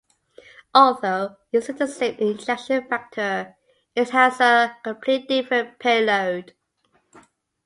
Although it uses the same injection vector it has a completely different payload.